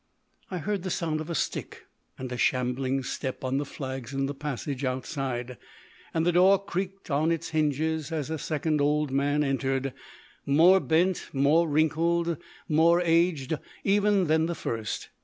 I heard the sound of a stick and a shambling step on the flags in the passage outside, and the door creaked on its hinges as a second old man entered, more bent, more wrinkled, more aged even than the first.